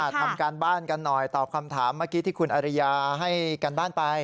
ทำการบ้านกันหน่อยตอบคำถามเมื่อกี้ที่คุณอริยาให้การบ้านไป